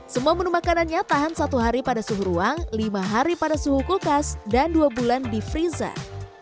semua menu makanannya tahan satu hari pada suhu ruang lima hari pada suhu kulkas dan dua bulan di freezer